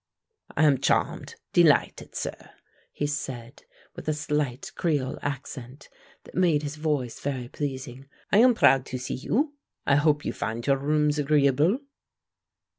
"I am charmed, delighted, sir," he said, with a slight creole accent that made his voice very pleasing. "I am proud to see you. I hope you find your rooms agreeable."